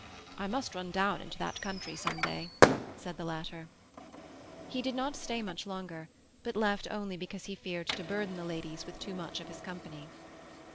"I must run down into that country some day," said the latter. He did not stay much longer, but left only because he feared to burden the ladies with too much of his company.